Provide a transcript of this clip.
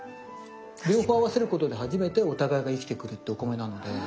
両方合わせることで初めてお互いが生きてくるってお米なので。